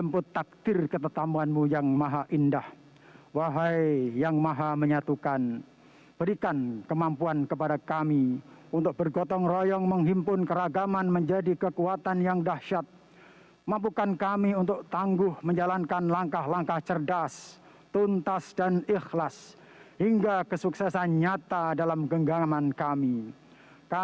prof dr tandio rahayu rektor universitas negeri semarang yogyakarta